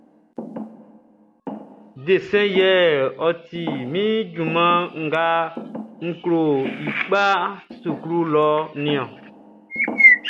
Desɛn yilɛʼn yɛ ɔ ti min junman nga n klo i kpa suklu lɔʼn niɔn.